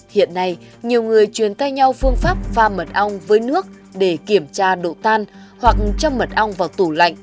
hiện nay nhiều người truyền tay nhau phương pháp pha mật ong với nước để kiểm tra độ tan hoặc trăm mật ong vào tủ lạnh